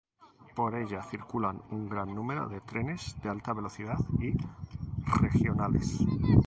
Por ella circulan un gran número de trenes de alta velocidad y regionales.